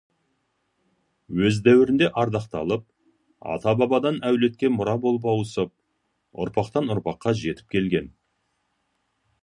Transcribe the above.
Өз дәуірінде ардақталып, ата бабадан әулетке мұра болып ауысып, ұрпақтан- ұрпаққа жетіп келген.